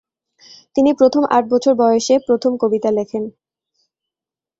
তিনি প্রথম আট বছর বয়েসে প্রথম কবিতা লেখেন।